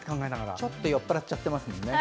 ちょっと酔っ払っちゃってますもんね。